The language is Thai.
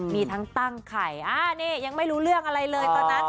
มีทั้งตั้งไข่นี่ยังไม่รู้เรื่องอะไรเลยตอนนั้น